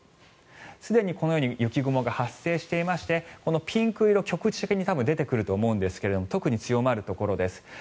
すでに、このように雪雲が発生していましてこのピンク色局地的に出てくると思うんですが特に強まるところです。